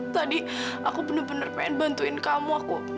tadi aku bener bener pengen bantuin kamu aku